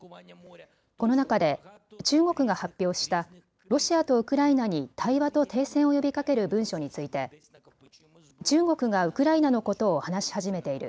この中で中国が発表したロシアとウクライナに対話と停戦を呼びかける文書について中国がウクライナのことを話し始めている。